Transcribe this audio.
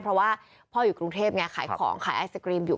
เพราะว่าพ่ออยู่กรุงเทพไงขายของขายไอศกรีมอยู่